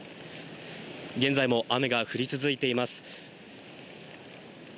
現在も雨が降り続いています。